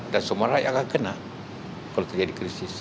dan semua rakyat akan kena kalau terjadi krisis